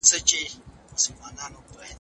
نرم بستر ارام خوب راولي